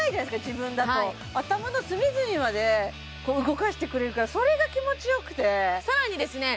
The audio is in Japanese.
自分だと頭の隅々まで動かしてくれるからそれが気持ちよくて更にですね